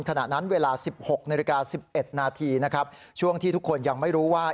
ขณะนั้นเวลา๑๖นาทีช่วงที่ทุกคนยังไม่รู้ว่า